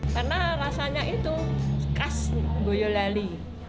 karena rasanya itu khas boyolali